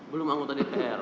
belum anggota dpr